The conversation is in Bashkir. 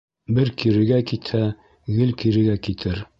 Бер кирегә китһә, гел кирегә китер.